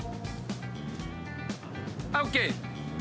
はいＯＫ！